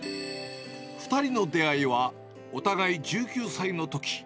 ２人の出会いはお互い１９歳のとき。